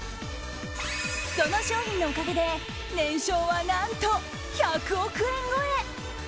その商品のおかげで年商は、何と１００億円超え！